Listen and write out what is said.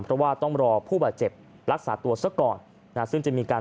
เพราะว่าต้องรอผู้บาดเจ็บรักษาตัวซะก่อนนะซึ่งจะมีการ